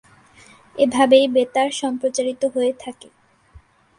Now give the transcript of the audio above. এভাবেই বেতার সম্প্রচারিত হয়ে থাকে।